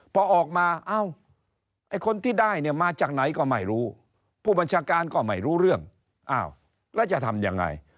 พอออกมาเอ้าไอ้คนที่ได้เนี่ยมาจากไหนก็ไม่รู้ผู้บัญชาการก็ไม่รู้เรื่องอ้าวแล้วจะทำยังไง